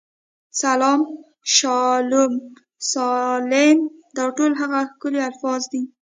سلام، شالوم، سالم، دا ټول هغه ښکلي الفاظ دي.